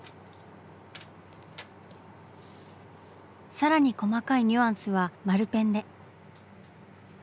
さらに細かいニュアンスは丸ペンで。